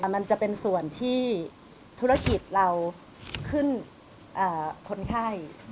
มันจะเป็นส่วนที่ธุรกิจเราขึ้นคนไข้